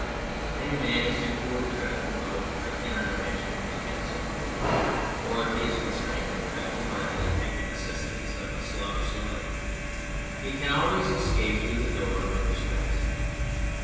If any man is too poor to travel (though I cannot imagine any man so poor), or if he is constrained from travel by the unhappy necessities of a slavish life, he can always escape through the door of English letters.